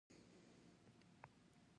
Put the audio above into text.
کورني سیاستونه او فکرونه کم نه وي.